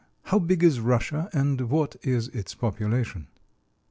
How big is Russia, and what is its population?